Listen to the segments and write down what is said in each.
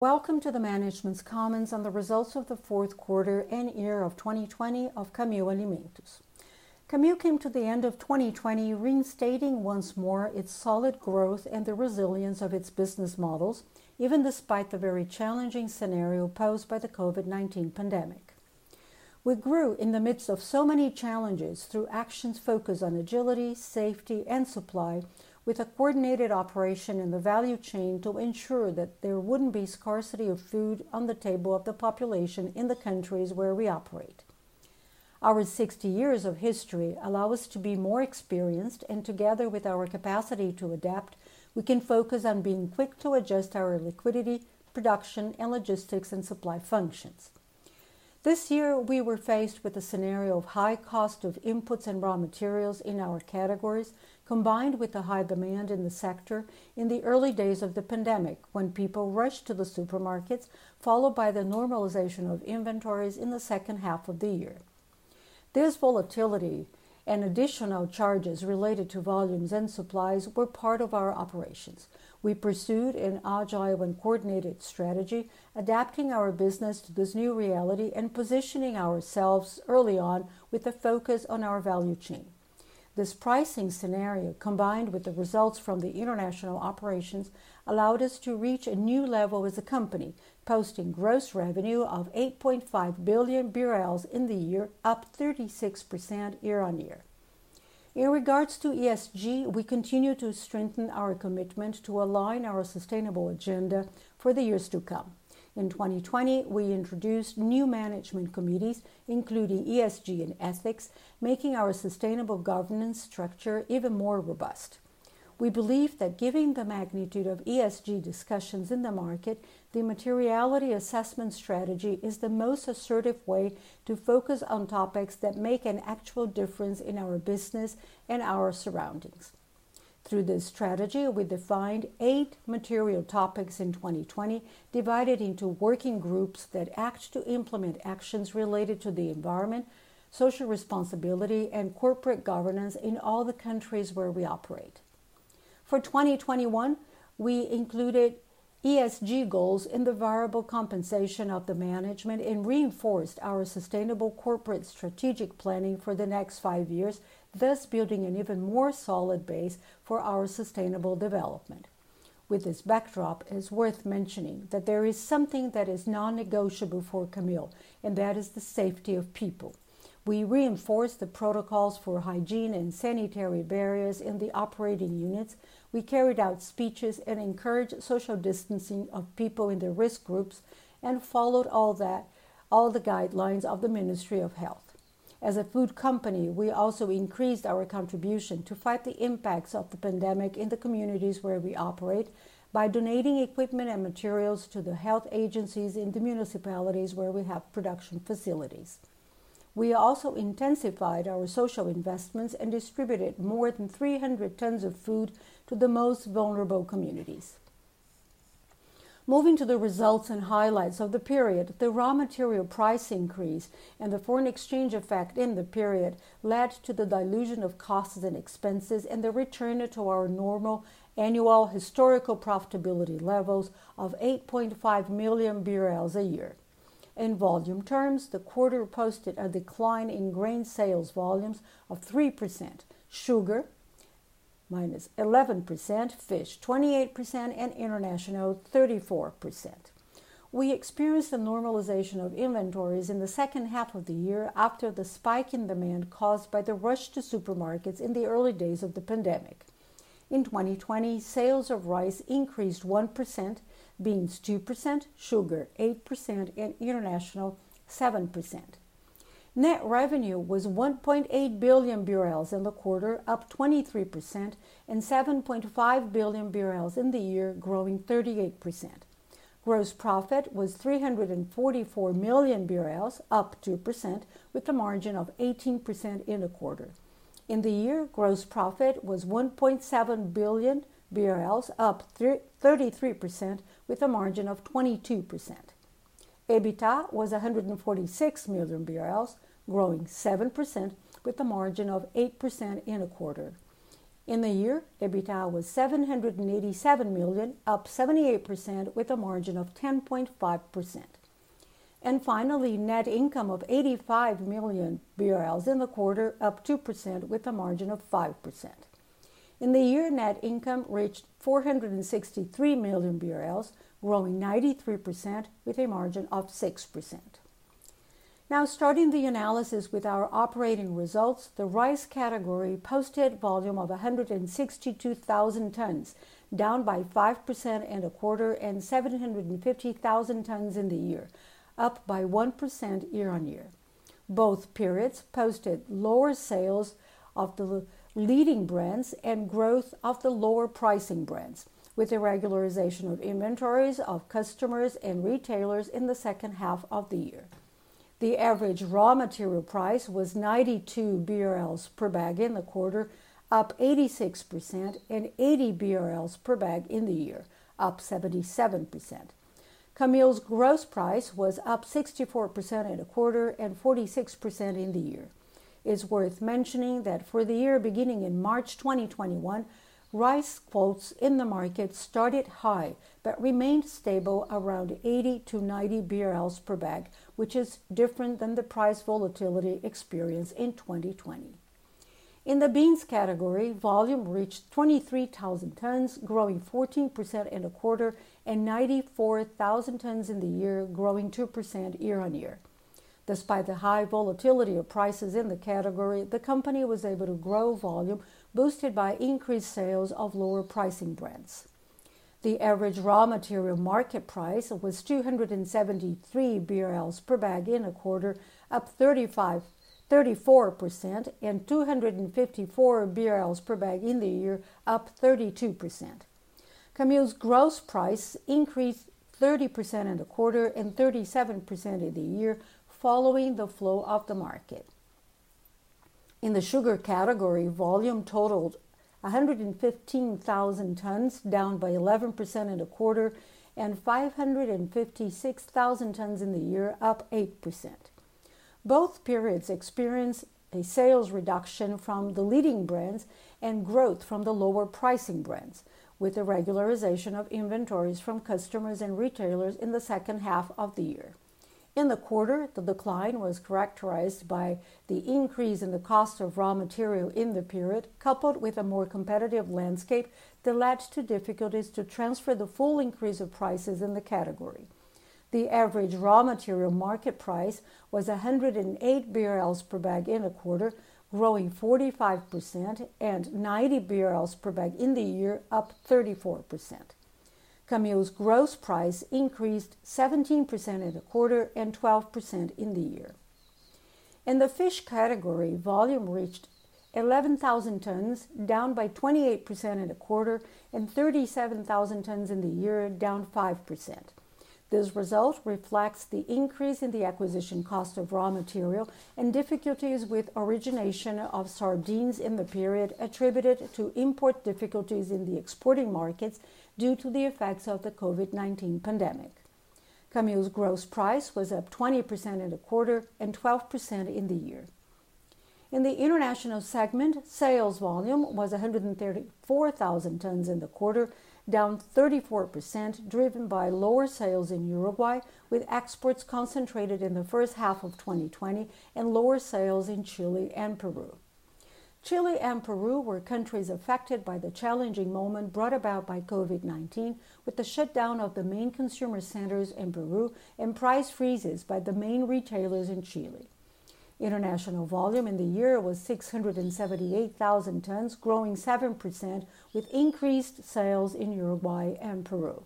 Welcome to the management's comments on the results of the fourth quarter and year of 2020 of Camil Alimentos. Camil came to the end of 2020 reinstating once more its solid growth and the resilience of its business models, even despite the very challenging scenario posed by the COVID-19 pandemic. We grew in the midst of so many challenges through actions focused on agility, safety, and supply, with a coordinated operation in the value chain to ensure that there wouldn't be scarcity of food on the table of the population in the countries where we operate. Our 60 years of history allow us to be more experienced, and together with our capacity to adapt, we can focus on being quick to adjust our liquidity, production, and logistics, and supply functions. This year, we were faced with a scenario of high cost of inputs and raw materials in our categories, combined with the high demand in the sector in the early days of the pandemic, when people rushed to the supermarkets, followed by the normalization of inventories in the second half of the year. This volatility and additional charges related to volumes and supplies were part of our operations. We pursued an agile and coordinated strategy, adapting our business to this new reality and positioning ourselves early on with a focus on our value chain. This pricing scenario, combined with the results from the international operations, allowed us to reach a new level as a company, posting gross revenue of 8.5 billion in the year, up 36% year-on-year. In regards to ESG, we continue to strengthen our commitment to align our sustainable agenda for the years to come. In 2020, we introduced new management committees, including ESG and ethics, making our sustainable governance structure even more robust. We believe that given the magnitude of ESG discussions in the market, the materiality assessment strategy is the most assertive way to focus on topics that make an actual difference in our business and our surroundings. Through this strategy, we defined eight material topics in 2020, divided into working groups that act to implement actions related to the environment, social responsibility, and corporate governance in all the countries where we operate. For 2021, we included ESG goals in the variable compensation of the management and reinforced our sustainable corporate strategic planning for the next five years, thus building an even more solid base for our sustainable development. With this backdrop, it's worth mentioning that there is something that is non-negotiable for Camil, and that is the safety of people. We reinforced the protocols for hygiene and sanitary barriers in the operating units. We carried out speeches and encouraged social distancing of people in the risk groups and followed all the guidelines of the Ministry of Health. As a food company, we also increased our contribution to fight the impacts of the pandemic in the communities where we operate by donating equipment and materials to the health agencies in the municipalities where we have production facilities. We also intensified our social investments and distributed more than 300 tons of food to the most vulnerable communities. Moving to the results and highlights of the period, the raw material price increase and the foreign exchange effect in the period led to the dilution of costs and expenses and the return to our normal annual historical profitability levels of 8.5 million BRL a year. In volume terms, the quarter posted a decline in grain sales volumes of 3%, sugar -11%, fish 28%, and international 34%. We experienced a normalization of inventories in the second half of the year after the spike in demand caused by the rush to supermarkets in the early days of the pandemic. In 2020, sales of rice increased 1%, beans 2%, sugar 8%, and international 7%. Net revenue was 1.8 billion BRL in the quarter, up 23%, and 7.5 billion BRL in the year, growing 38%. Gross profit was 344 million BRL, up 2%, with a margin of 18% in the quarter. In the year, gross profit was 1.7 billion BRL, up 33%, with a margin of 22%. EBITDA was 146 million BRL, growing 7%, with a margin of 8% in a quarter. In the year, EBITDA was 787 million, up 78%, with a margin of 10.5%. Finally, net income of 85 million BRL in the quarter, up 2%, with a margin of 5%. In the year, net income reached 463 million BRL, growing 93%, with a margin of 6%. Now, starting the analysis with our operating results, the rice category posted volume of 162,000 tons, down by 5% in the quarter and 750,000 tons in the year, up by 1% year-on-year. Both periods posted lower sales of the leading brands and growth of the lower pricing brands with a regularization of inventories of customers and retailers in the second half of the year. The average raw material price was 92 BRL per bag in the quarter, up 86%, and 80 BRL per bag in the year, up 77%. Camil's gross price was up 64% in the quarter and 46% in the year. It's worth mentioning that for the year beginning in March 2021, rice quotes in the market started high but remained stable around 80-90 BRL per bag, which is different than the price volatility experienced in 2020. In the beans category, volume reached 23,000 tons, growing 14% in the quarter and 94,000 tons in the year, growing 2% year-on-year. Despite the high volatility of prices in the category, the company was able to grow volume boosted by increased sales of lower pricing brands. The average raw material market price was 273 BRL per bag in the quarter, up 34%, and 254 BRL per bag in the year, up 32%. Camil's gross price increased 30% in the quarter and 37% in the year following the flow of the market. In the sugar category, volume totaled 115,000 tons, down by 11% in the quarter, and 556,000 tons in the year, up 8%. Both periods experienced a sales reduction from the leading brands and growth from the lower pricing brands with the regularization of inventories from customers and retailers in the second half of the year. In the quarter, the decline was characterized by the increase in the cost of raw material in the period, coupled with a more competitive landscape that led to difficulties to transfer the full increase of prices in the category. The average raw material market price was 108 BRL per bag in the quarter, growing 45%, and 90 BRL per bag in the year, up 34%. Camil's gross price increased 17% in the quarter and 12% in the year. In the fish category, volume reached 11,000 tons, down by 28% in the quarter, and 37,000 tons in the year, down 5%. This result reflects the increase in the acquisition cost of raw material and difficulties with origination of sardines in the period attributed to import difficulties in the exporting markets due to the effects of the COVID-19 pandemic. Camil's gross price was up 20% in the quarter and 12% in the year. In the international segment, sales volume was 134,000 tons in the quarter, down 34%, driven by lower sales in Uruguay, with exports concentrated in the first half of 2020 and lower sales in Chile and Peru. Chile and Peru were countries affected by the challenging moment brought about by COVID-19 with the shutdown of the main consumer centers in Peru and price freezes by the main retailers in Chile. International volume in the year was 678,000 tons, growing 7%, with increased sales in Uruguay and Peru.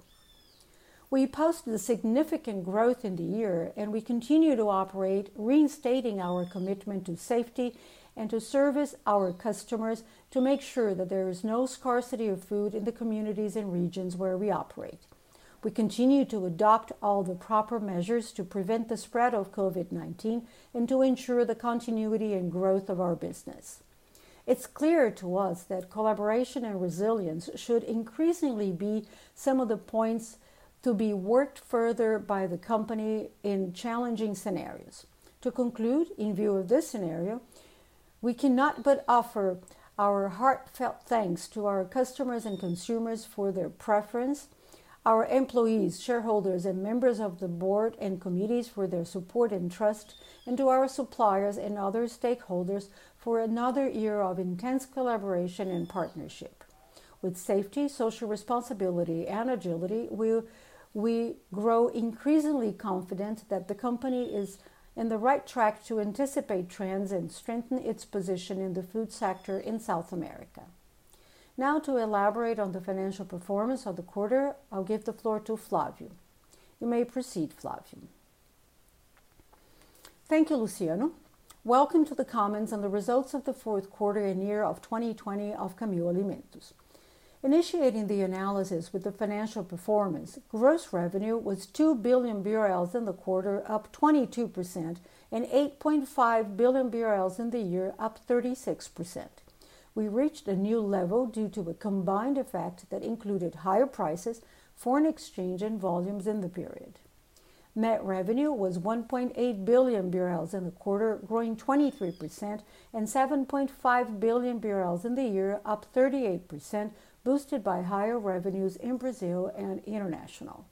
We posted a significant growth in the year, and we continue to operate, reinstating our commitment to safety and to service our customers to make sure that there is no scarcity of food in the communities and regions where we operate. We continue to adopt all the proper measures to prevent the spread of COVID-19 and to ensure the continuity and growth of our business. It's clear to us that collaboration and resilience should increasingly be some of the points to be worked further by the company in challenging scenarios. To conclude, in view of this scenario, we cannot but offer our heartfelt thanks to our customers and consumers for their preference, our employees, shareholders, and members of the board and committees for their support and trust, and to our suppliers and other stakeholders for another year of intense collaboration and partnership. With safety, social responsibility, and agility, we grow increasingly confident that the company is in the right track to anticipate trends and strengthen its position in the food sector in South America. Now to elaborate on the financial performance of the quarter, I'll give the floor to Flavio. You may proceed, Flavio. Thank you, Luciano. Welcome to the comments on the results of the fourth quarter and year of 2020 of Camil Alimentos. Initiating the analysis with the financial performance, gross revenue was 2 billion BRL in the quarter, up 22%, and 8.5 billion BRL in the year, up 36%. We reached a new level due to a combined effect that included higher prices, foreign exchange, and volumes in the period. Net revenue was 1.8 billion in the quarter, growing 23%, and 7.5 billion in the year, up 38%, boosted by higher revenues in Brazil and international.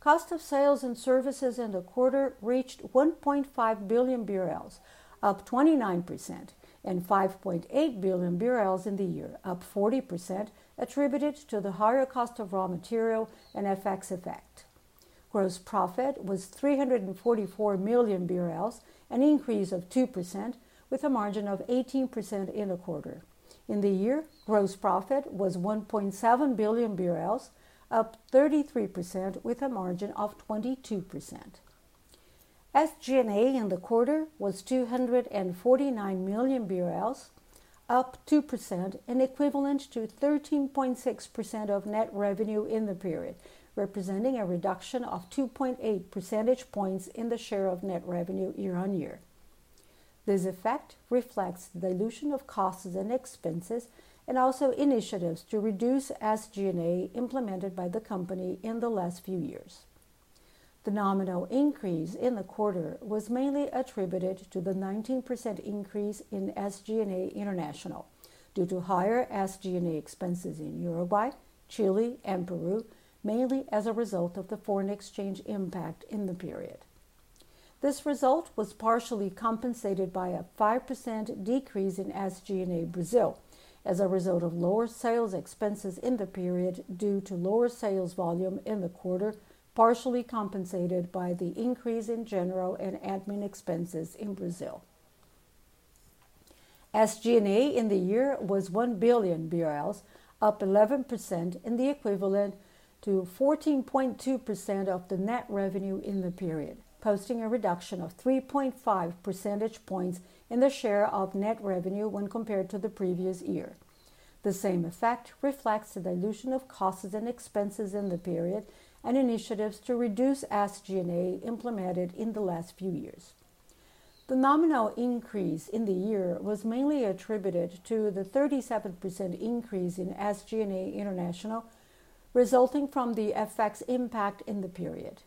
Cost of sales and services in the quarter reached 1.5 billion BRL, up 29%, and 5.8 billion BRL in the year, up 40%, attributed to the higher cost of raw material and FX effect. Gross profit was 344 million BRL, an increase of 2%, with a margin of 18% in the quarter. In the year, gross profit was 1.7 billion BRL, up 33%, with a margin of 22%. SG&A in the quarter was 249 million BRL, up 2%, and equivalent to 13.6% of net revenue in the period, representing a reduction of 2.8 percentage points in the share of net revenue year-on-year. This effect reflects the dilution of costs and expenses and also initiatives to reduce SG&A implemented by the company in the last few years. The nominal increase in the quarter was mainly attributed to the 19% increase in SG&A international due to higher SG&A expenses in Uruguay, Chile, and Peru, mainly as a result of the foreign exchange impact in the period. This result was partially compensated by a 5% decrease in SG&A Brazil as a result of lower sales expenses in the period due to lower sales volume in the quarter, partially compensated by the increase in general and admin expenses in Brazil. SG&A in the year was 1 billion BRL, up 11% in the equivalent to 14.2% of the net revenue in the period, posting a reduction of 3.5 percentage points in the share of net revenue when compared to the previous year. The same effect reflects the dilution of costs and expenses in the period and initiatives to reduce SG&A implemented in the last few years. The nominal increase in the year was mainly attributed to the 37% increase in SG&A International, resulting from the FX impact in the period.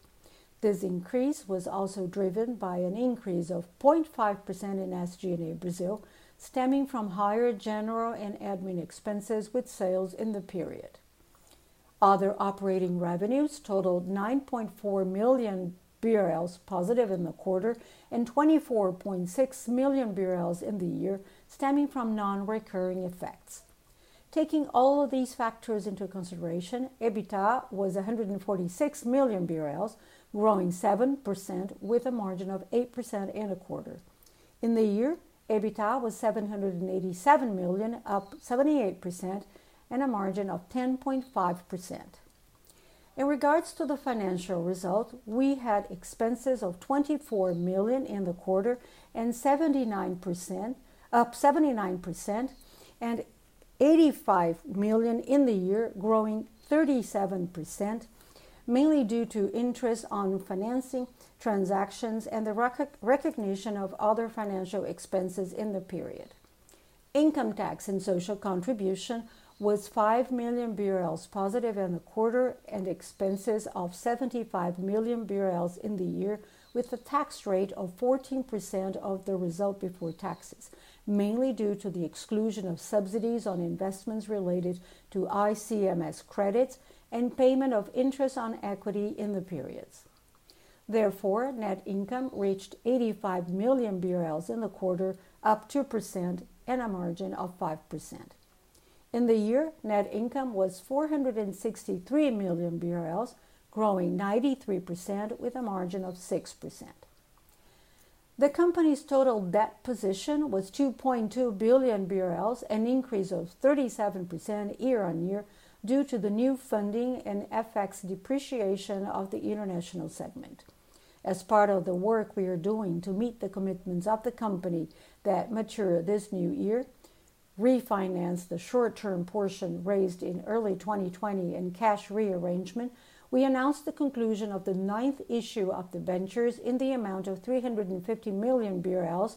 This increase was also driven by an increase of 0.5% in SG&A Brazil, stemming from higher general and admin expenses with sales in the period. Other operating revenues totaled 9.4 million BRL positive in the quarter and 24.6 million BRL in the year, stemming from non-recurring effects. Taking all of these factors into consideration, EBITDA was 146 million BRL, growing 7% with a margin of 8% in a quarter. In the year, EBITDA was 787 million, up 78%, and a margin of 10.5%. In regards to the financial result, we had expenses of 24 million in the quarter and up 79% and 85 million in the year, growing 37%, mainly due to interest on financing transactions and the recognition of other financial expenses in the period. Income tax and social contribution was 5 million BRL positive in the quarter and expenses of 75 million BRL in the year, with a tax rate of 14% of the result before taxes, mainly due to the exclusion of subsidies on investments related to ICMS credits and payment of interest on equity in the periods. Therefore, net income reached 85 million BRL in the quarter, up 2%, and a margin of 5%. In the year, net income was 463 million BRL, growing 93%, with a margin of 6%. The company's total debt position was 2.2 billion BRL, an increase of 37% year-over-year due to the new funding and FX depreciation of the international segment. As part of the work we are doing to meet the commitments of the company that mature this new year, refinance the short-term portion raised in early 2020 in cash rearrangement, we announced the conclusion of the ninth issue of debentures in the amount of 350 million BRL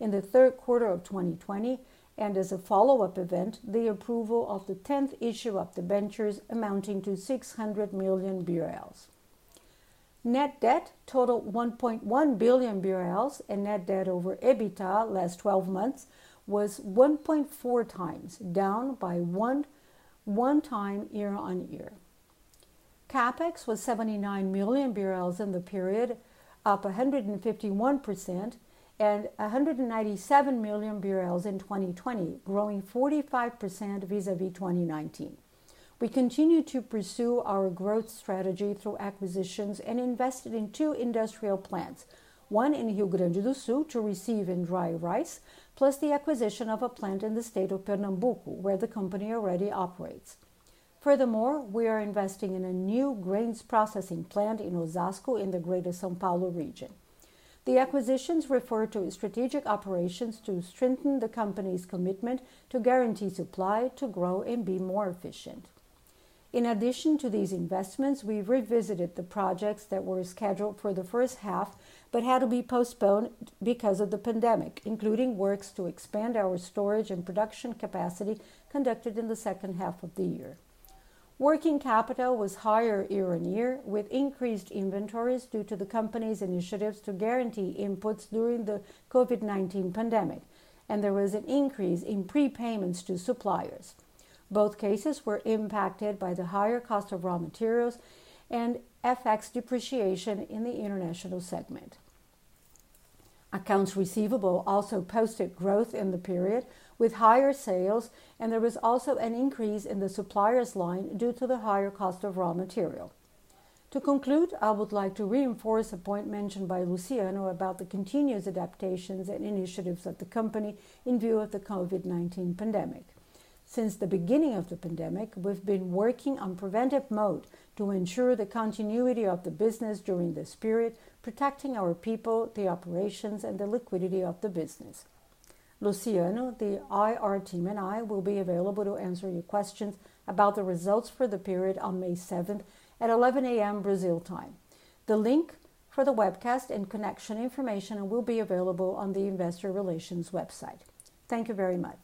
in the third quarter of 2020, and as a follow-up event, the approval of the tenth issue of debentures amounting to 600 million BRL. Net debt totaled 1.1 billion BRL, and net debt over EBITDA last 12 months was 1.4x, down by one time year-on-year. CapEx was 79 million in the period, up 151%, and 197 million in 2020, growing 45% vis-à-vis 2019. We continued to pursue our growth strategy through acquisitions and invested in two industrial plants, one in Rio Grande do Sul to receive and dry rice, plus the acquisition of a plant in the state of Pernambuco, where the company already operates. Furthermore, we are investing in a new grains processing plant in Osasco in the Greater São Paulo region. The acquisitions refer to strategic operations to strengthen the company's commitment to guarantee supply, to grow and be more efficient. In addition to these investments, we revisited the projects that were scheduled for the first half but had to be postponed because of the pandemic, including works to expand our storage and production capacity conducted in the second half of the year. Working capital was higher year-over-year with increased inventories due to the company's initiatives to guarantee inputs during the COVID-19 pandemic, and there was an increase in prepayments to suppliers. Both cases were impacted by the higher cost of raw materials and FX depreciation in the international segment. Accounts receivable also posted growth in the period with higher sales, and there was also an increase in the suppliers line due to the higher cost of raw material. To conclude, I would like to reinforce a point mentioned by Luciano about the continuous adaptations and initiatives of the company in view of the COVID-19 pandemic. Since the beginning of the pandemic, we've been working on preventive mode to ensure the continuity of the business during this period, protecting our people, the operations, and the liquidity of the business. Luciano, the IR team, and I will be available to answer your questions about the results for the period on May 7th at 11:00 A.M. Brazil time. The link for the webcast and connection information will be available on the investor relations website. Thank you very much.